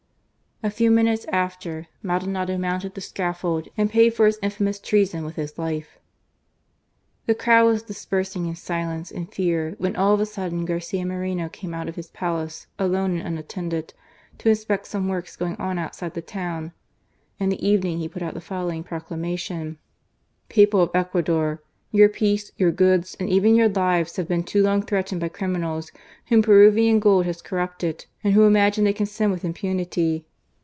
A few minutes after, Maldonado mounted the scafi'old and paid for his infamous treason with his. life. The crowd was dispersing in silence and fetir when all of a sudden Garcia Moreno came out of bis ONE AGAINST ALL. 151 Palace, alone and unattended, to inspect some works ^oing on outside the town. In the evening he put out the following proclamation :People of Ecuador. Your peace, your goods, and even your lives have been too long threatened by criminals whom Peruvian gold has corrupted and who imagine they can sin with impunity.